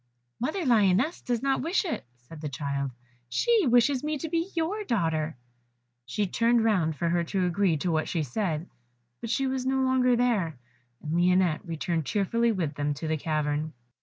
"Mother lioness does not wish it," said the child, "she wishes me to be your daughter." She turned round for her to agree to what she said, but she was no longer there, and Lionette returned cheerfully with them to the cavern.